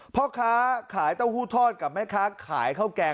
พ่อะคะขายเต้าหูทอดกับแม่คะขายข้าวแกร่ง